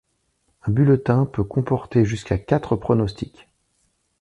Un bulletin peut comporter jusqu'à quatre pronostics.